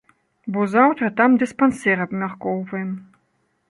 Бо заўтра там дыспансер абмяркоўваем.